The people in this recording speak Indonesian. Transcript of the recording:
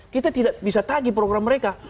kita tidak bisa tagi program mereka